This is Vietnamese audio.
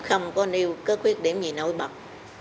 không có nêu cái khuyết điểm gì nổi bật